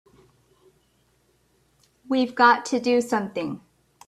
We've got to do something!